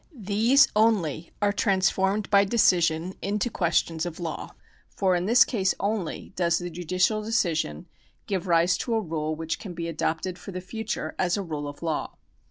These only are transformed by de cision into questions of law, for in this case only does the judicial decision give rise to a rule which can be adopted for the future as a rule of law.